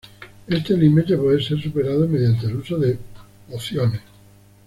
Este límite puede ser superado mediante el uso de pociones.